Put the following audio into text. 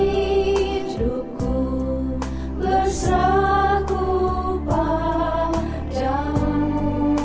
untuk melalui hidupku berseraku padamu